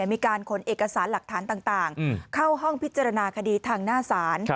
มีการขนเอกสารหลักฐานต่างเข้าห้องพิจารณาคดีทางหน้าศาล